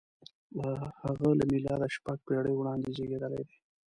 • هغه له مېلاده شپږ پېړۍ وړاندې زېږېدلی دی.